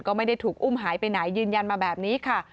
ก็ไม่ได้ถูกอุ้มหายไปไหนยืนยันมาแบบนี้ค่ะ